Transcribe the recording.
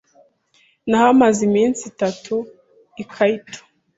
Nahamaze iminsi itatu i Kyoto.